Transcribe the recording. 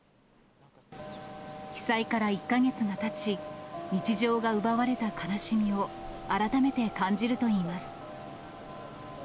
被災から１か月がたち、日常が奪われた悲しみを改めて感じるといいます。